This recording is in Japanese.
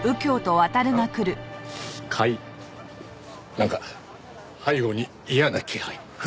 なんか背後に嫌な気配。